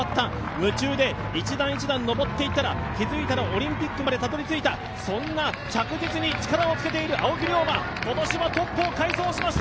夢中で、１段１段登っていったら、気づいたらオリンピックまでたどり着いたそんな着実に力をつけている青木涼真、今年はトップを快走しました。